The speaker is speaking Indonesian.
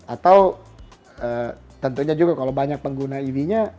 atau tentunya juga kalau banyak pengguna ev nya